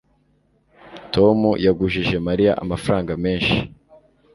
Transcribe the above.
tom yagujije mariya amafaranga menshi